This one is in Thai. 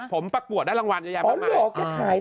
ผมประกวดได้รางวัลยาแยมภิคราบคล้าย